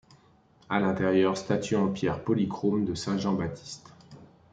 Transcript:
À l'intérieur, statue en pierre polychrome de saint Jean-Baptiste.